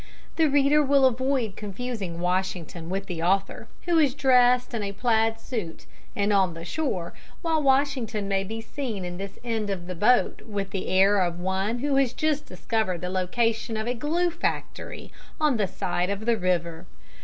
The reader will avoid confusing Washington with the author, who is dressed in a plaid suit and on the shore, while Washington may be seen in this end of the boat with the air of one who has just discovered the location of a glue factory on the side of the river.